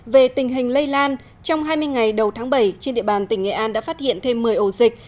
về tình hình lây lan trong hai mươi ngày đầu tháng bảy trên địa bàn tỉnh nghệ an đã phát hiện thêm một mươi ổ dịch